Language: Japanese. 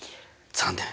残念。